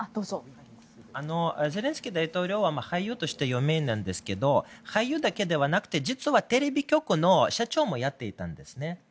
ゼレンスキー大統領は俳優として有名なんですが俳優だけでなくて実はテレビ局の社長もやっていたんですね。